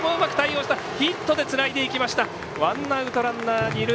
ヒットでつないでいきました。